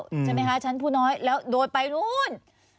ใช่ไหมคะชั้นผู้น้อยแล้วโดนไปนู้น